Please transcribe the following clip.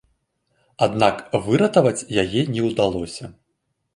Аднак выратаваць яе не ўдалося.